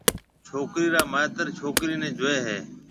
ڇوڪرِي را مائيتر ڇوڪريَ نيَ جوئيَ ھيَََ